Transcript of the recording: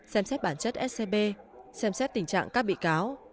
xem xét bản chất scb xem xét tình trạng các bị cáo